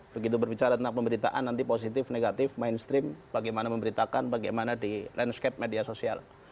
begitu berbicara tentang pemberitaan nanti positif negatif mainstream bagaimana memberitakan bagaimana di landscape media sosial